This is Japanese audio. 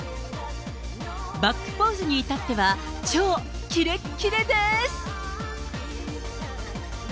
バックポーズに至っては、超きれっきれです。